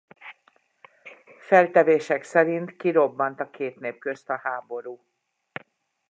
Feltevések szerint kirobbant a két nép közt a háború.